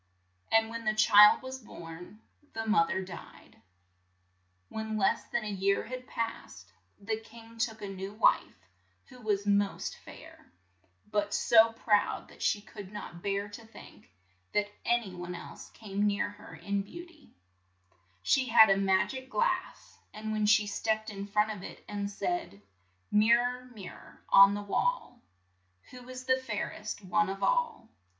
And when the child was born, the moth er died. When less than a year had passed, the king took a new wife, who was most fair, but so proud that she could not bear to think that an y one else came near her in beau ty, She had a mag ic glass, and when she stepped in front of it and said :" Mir ror, mir ror on the wall, Who's the fair est one of all